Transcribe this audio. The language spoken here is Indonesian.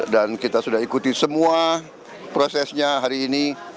dan kita sudah ikuti semua prosesnya hari ini